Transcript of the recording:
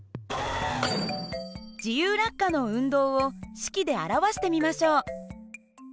自由落下の運動を式で表してみましょう。